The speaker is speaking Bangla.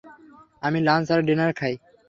আমি লাঞ্চ আর ডিনার খাই।